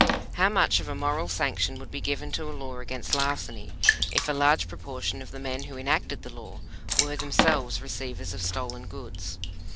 How much of a moral sanction would be given to a law against larceny if a large proportion of the men who enacted the law were themselves receivers of stolen goods